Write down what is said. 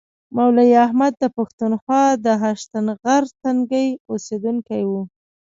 مولوي احمد د پښتونخوا د هشتنغر تنګي اوسیدونکی و.